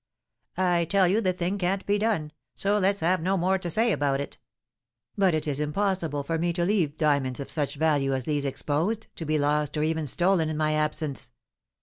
"I tell you, the thing can't be done. So let's have no more to say about it." "But it is impossible for me to leave diamonds of such value as these exposed, to be lost or even stolen in my absence."